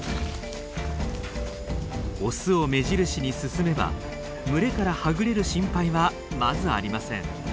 オスを目印に進めば群れからはぐれる心配はまずありません。